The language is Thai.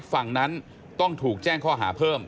ฝั่งนั้นต้องถูกแจ้งข้อหาเพิ่ม